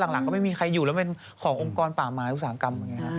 หลังก็ไม่มีใครอยู่แล้วเป็นขององค์กรป่าไม้อุตสาหกรรม